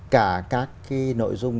cả các cái nội dung